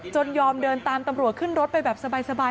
ยอมเดินตามตำรวจขึ้นรถไปแบบสบาย